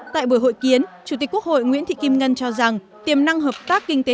tại buổi hội kiến chủ tịch quốc hội nguyễn thị kim ngân cho rằng tiềm năng hợp tác kinh tế